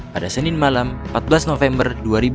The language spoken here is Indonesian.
pada senin malam empat belas november dua ribu dua puluh